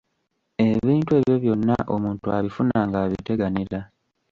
Ebintu ebyo byonna omuntu abifuna ng'abiteganira.